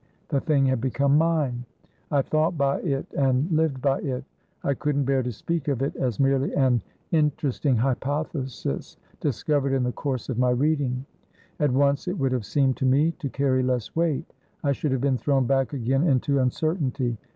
The thing had become mine; I thought by it, and lived by it; I couldn't bear to speak of it as merely an interesting hypothesis discovered in the course of my reading. At once it would have seemed to me to carry less weight; I should have been thrown back again into uncertainty.